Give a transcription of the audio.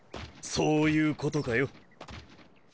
そういうことかよ